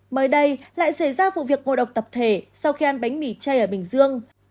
mới đây lại xảy ra vụ việc ngộ độc tập thể sau khi ăn bánh mì chay ở bình dương